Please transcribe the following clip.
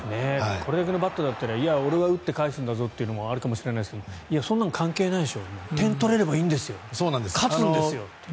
これだけのバットだったら俺は打って返すんだぞというのがあるかもしれないですがそんなの関係ないよと点を取れればいいんですよ勝つんですよという。